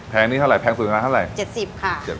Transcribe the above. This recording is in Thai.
แพงนี้เท่าไหร่แพงสูงในร้านเท่าไหร่